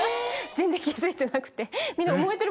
全然気付いてなくてみんな。